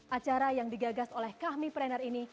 acara yang digagas oleh kami prener ini